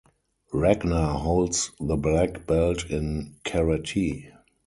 Ragna holds the black belt in Karate.